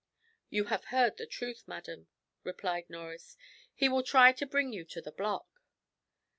"You have heard the truth, madam," replied Norris, "he will try to bring you to the block."